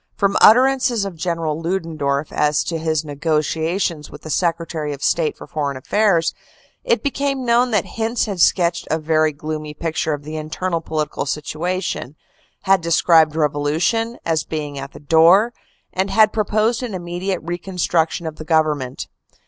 From utterances of General Ludendorff as to his negotiations with the Secretary of State for Foreign Affairs, it became known that Hintze had sketched a very gloomy picture of the internal political situa tion, had described revolution as being at the door, and had proposed an immediate reconstruction of the Government.